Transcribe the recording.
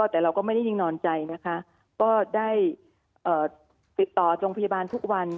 แต่เราก็ไม่ได้นิ่งนอนใจนะคะก็ได้ติดต่อโรงพยาบาลทุกวัน